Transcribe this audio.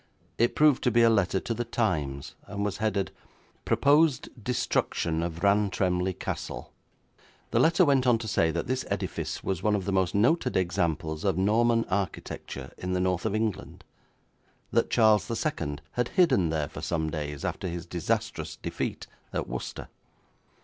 It proved to be a letter to the Times, and was headed: 'Proposed Destruction of Rantremly Castle'. The letter went on to say that this edifice was one of the most noted examples of Norman architecture in the north of England; that Charles II had hidden there for some days after his disastrous defeat at Worcester.